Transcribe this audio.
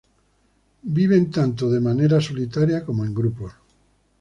Viven tanto de manera solitaria como en grupos.